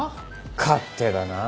勝手だなあ。